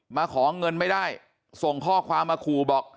มาขอเงินไม่ได้ส่งข้อความมาขู่บอก